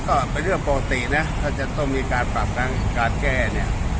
ก็เป็นเรื่องปกตินะถ้าจะต้องมีการปรับทั้งการแก้เนี่ย